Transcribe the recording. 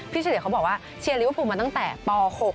พี่เชียร์เขาบอกว่าเชียร์ลิเวอร์ภูติมาตั้งแต่ป๖